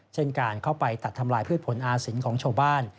เช่นการเข้าไปตัดทำลายพืชผลอาศิลป์ของชาวบ้าน